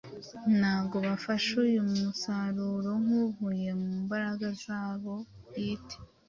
Ntabwo bafashe uyu musaruro nk’uvuye mu mbaraga zabo bwite.